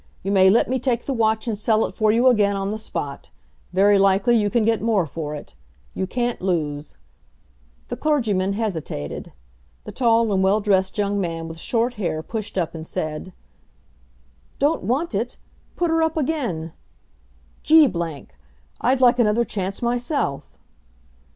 You may let me take the watch and sell it for you again on the spot. Very likely you can get more for it. You can't lose. The clergyman hesitated. The tall and well dressed young man with short hair pushed up and said: "Don't want it? Put her up again. G ! I'd like another chance myself!"